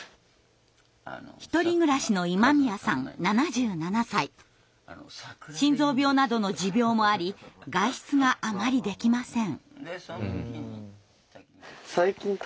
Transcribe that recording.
独り暮らしの心臓病などの持病もあり外出があまりできません。